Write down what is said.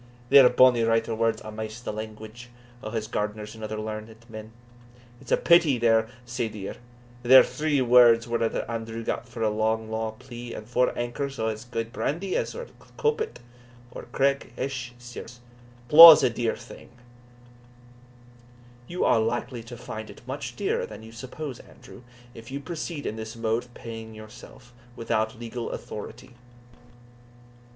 _ Thae are bonny writer words amaist like the language o' huz gardeners and other learned men it's a pity they're sae dear; thae three words were a' that Andrew got for a lang law plea and four ankers o' as gude brandy as was e'er coupit ower craig Hech, sirs! but law's a dear thing." "You are likely to find it much dearer than you suppose, Andrew, if you proceed in this mode of paying yourself, without legal authority."